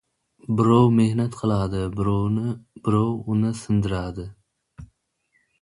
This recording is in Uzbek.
• Birov mehnat qiladi, birov uni sidiradi.